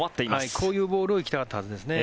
こういうボールを行きたかったはずですね。